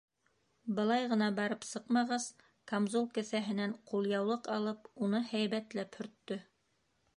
Былай ғына барып сыҡмағас, камзул кеҫәһенән ҡулъяулыҡ алып, уны һәйбәтләп һөрттө.